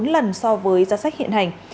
ba bốn lần so với giá sách hiện hành